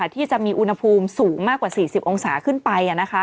ที่จะมีอุณหภูมิสูงมากกว่า๔๐องศาขึ้นไป